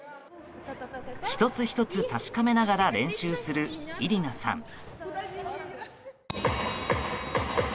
一つ一つ確かめながら練習するイリナさん。